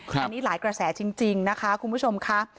อันนี้หลายกระแสจริงนะคะคุณผู้ชมค่ะ